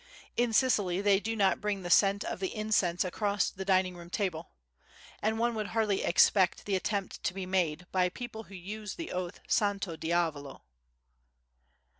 In Sicily they do not bring the scent of the incense across the dining room table. And one would hardly expect the attempt to be made by people who use the oath "Santo Diavolo."